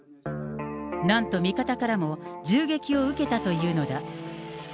なんと味方からも銃撃を受けたというのだ。